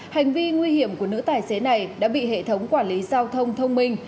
hành vi nguy hiểm của nữ tài xế này đã bị hệ thống quản lý giao thông thông minh